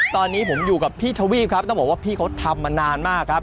ตอนนี้ผมอยู่กับพี่ทวีปครับต้องบอกว่าพี่เขาทำมานานมากครับ